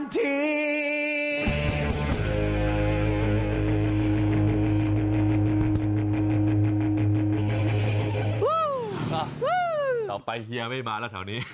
ต่อไปเฮียไม่มาแล้วแถวนี้